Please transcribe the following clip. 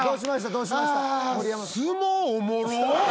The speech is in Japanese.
どうしました？